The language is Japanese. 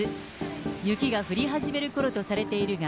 雪が降り始めるころとされているが、